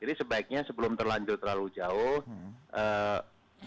jadi sebaiknya sebelum terlanjur terlalu jauh